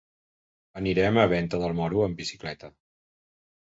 Anirem a Venta del Moro amb bicicleta.